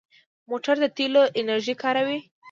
موټر د تېلو انرژي کاروي.